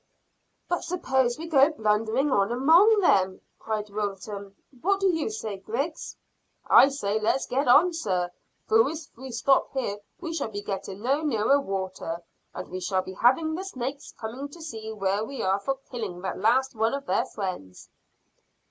"But suppose we go blundering on among them," cried Wilton. "What do you say, Griggs?" "I say let's get on, sir, for if we stop here we shall be getting no nearer water, and we shall be having the snakes coming to see where we are for killing that last one of their friends."